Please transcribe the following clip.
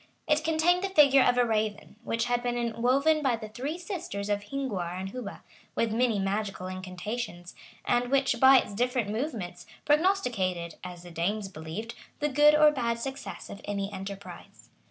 [*] It contained the figure of a raven, which had been inwoven by the three sisters of Hinguar and Hubba, with many magical incantations, and which, by its different movements, prognosticated, as the Danes believed, the good or bad success of any enterprise.